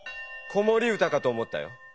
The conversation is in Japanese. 子もり歌かと思ったよ。